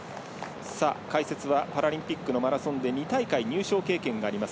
解説はパラリンピックのマラソンで２大会入賞経験があります